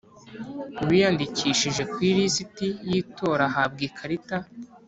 Uwiyandikishije ku ilisiti y itora ahabwa ikarita